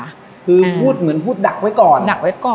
คือพูดเหมือนพูดดักไว้ก่อนดักไว้ก่อน